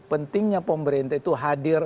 pentingnya pemerintah itu hadir